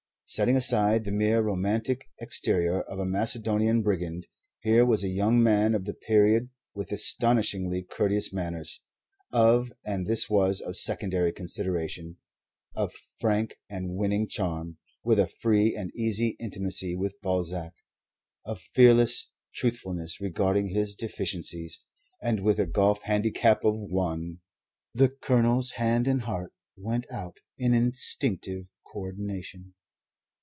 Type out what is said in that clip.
Setting aside the mere romantic exterior of a Macedonian brigand, here was a young man of the period with astonishingly courteous manners, of and this was of secondary consideration of frank and winning charm, with a free and easy intimacy with Balzac, of fearless truthfulness regarding his deficiencies, and with a golf handicap of one. The Colonel's hand and heart went out in instinctive coordination.